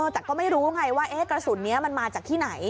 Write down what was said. แต่ก็ไม่รู้ไงว่ากระสุนนี้มันมาจากที่ไหน